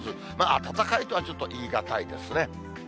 暖かいとはちょっと言い難いですね。